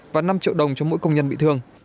và năm triệu đồng cho mỗi công nhân bị thương